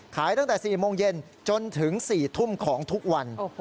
ตั้งแต่๔โมงเย็นจนถึง๔ทุ่มของทุกวัน